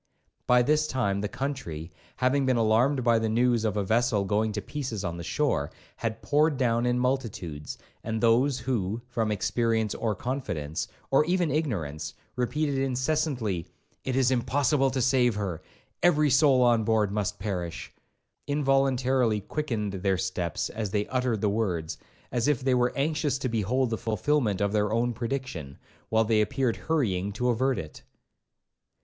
By this time the country, having been alarmed by the news of a vessel going to pieces on the shore, had poured down in multitudes; and those who, from experience or confidence, or even ignorance, repeated incessantly, 'it is impossible to save her,—every soul on board must perish,' involuntarily quickened their steps as they uttered the words, as if they were anxious to behold the fulfilment of their own prediction, while they appeared hurrying to avert it.